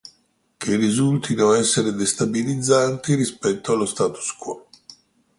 che risultino essere destabilizzanti rispetto allo status quo